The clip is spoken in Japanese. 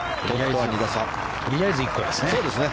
とりあえず１個ですね。